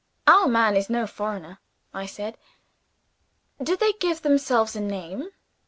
"Our man is no foreigner," I said. "Did they give themselves a name?"